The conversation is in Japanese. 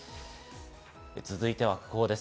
続いては訃報です。